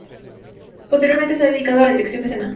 Posteriormente, se ha dedicado a la dirección de escena.